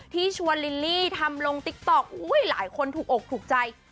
ชวนลิลลี่ทำลงติ๊กต๊อกหลายคนถูกอกถูกใจ